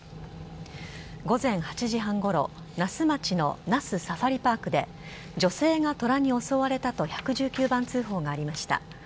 午前８時半ごろ、那須町の那須サファリパークで、女性がトラに襲われたと１１９番通報がありました。